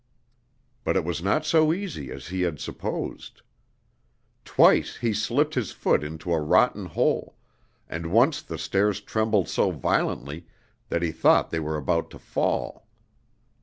But it was not so easy as he had supposed. Twice he slipped his foot into a rotten hole, and once the stairs trembled so violently that he thought they were about to fall.